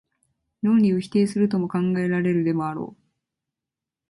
論理を否定するとも考えられるでもあろう。